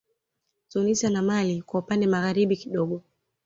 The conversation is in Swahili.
Tunisia na mali kwa upande magharibi kidogo